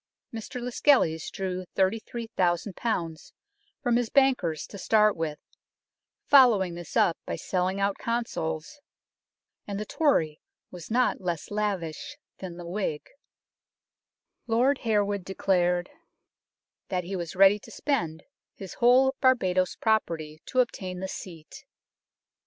Mr Lascelles drew 33,000 from his bankers to start with ; following this up by selling out Consols, and the Tory was not less lavish than the Whig. Lord Harewood declared " that he was ready to spend his whole Barbadoes property to obtain the seat."